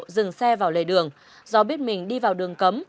dừng xe vào lề đường do biết mình đi vào đường cấm